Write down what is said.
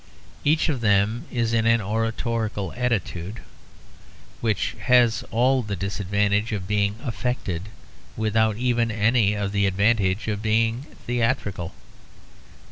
Each of them is in an oratorical attitude, which has all the disadvantage of being affected without even any of the advantages of being theatrical.